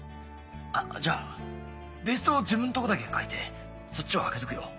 あっじゃあベースと自分のとこだけ書いてそっちは空けとくよ。